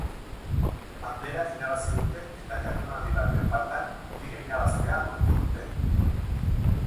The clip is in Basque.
Bandera irabazi dute, eta jardunaldi baten faltan liga irabaztea lortu dute.